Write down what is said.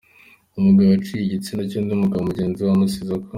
Umugabo yaciye igitsina cy’undi mugabo mu genzi we amuziza ko.